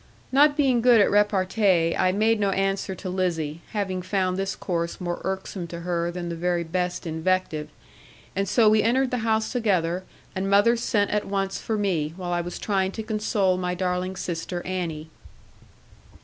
Not being good at repartee, I made no answer to Lizzie, having found this course more irksome to her than the very best invective: and so we entered the house together; and mother sent at once for me, while I was trying to console my darling sister Annie.